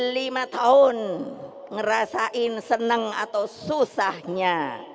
lima tahun ngerasain seneng atau susahnya